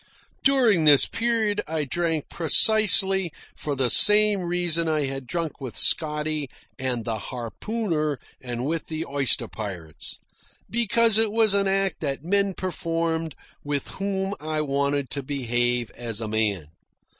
During this period I drank precisely for the same reason I had drunk with Scotty and the harpooner and with the oyster pirates because it was an act that men performed with whom I wanted to behave as a man.